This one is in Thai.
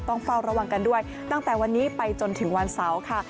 ต้องเฝ้าระวังกันด้วยตั้งแต่วันนี้ไปจนถึงวันเสาร์ค่ะ